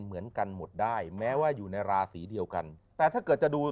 เหมือนกันหมดได้แม้ว่าอยู่ในราศีเดียวกันแต่ถ้าเกิดจะดู